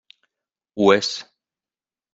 Ho és.